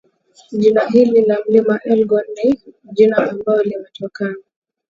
jina hili la mlima elgon ni jina ambao limetokana